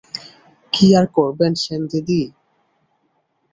কী আর করবেন সেনদিদি?